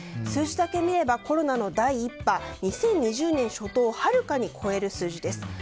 数字だけ見ればコロナの第１波２０２０年初頭をはるかに超える数字です。